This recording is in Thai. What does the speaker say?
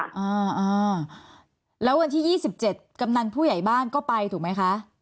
อ่าอ่าแล้ววันที่ยี่สิบเจ็ดกำนันผู้ใหญ่บ้านก็ไปถูกไหมคะ